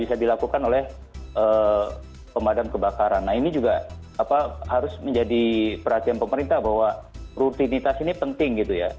bisa dilakukan oleh pemadam kebakaran nah ini juga harus menjadi perhatian pemerintah bahwa rutinitas ini penting gitu ya